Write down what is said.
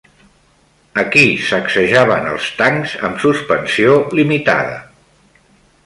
A qui sacsejaven els tancs amb suspensió limitada?